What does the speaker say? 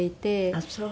あっそう。